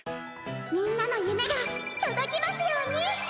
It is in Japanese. みんなの夢が届きますように！